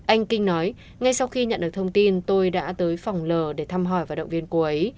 anh kinh nói ngay sau khi nhận được thông tin tôi đã tới phòng l để thăm hỏi và động viên cô ấy